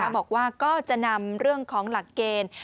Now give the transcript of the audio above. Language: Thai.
บอกว่าก็จะนำเรื่องของหลักเกณฑ์